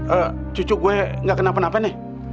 eh cucuk gue gak kenapa napa nih